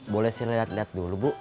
boleh saya liat liat dulu bu